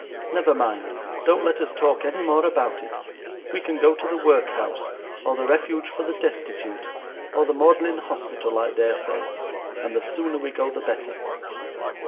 Never mind, don't let us talk any more about it. We can go to the Workhouse, or the Refuge for the Destitute, or the Magdalen Hospital, I dare say; and the sooner we go the better.